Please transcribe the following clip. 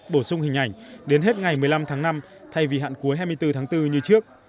bổ sung hình ảnh đến hết ngày một mươi năm tháng năm thay vì hạn cuối hai mươi bốn tháng bốn như trước